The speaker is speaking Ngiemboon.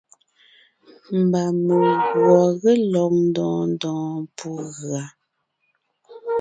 Mba meguɔ ge lɔg ndɔɔn ndɔɔn pú gʉa.